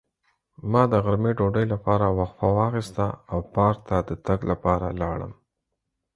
ما د غرمې ډوډۍ لپاره وقفه واخیسته او پارک ته د تګ لپاره لاړم.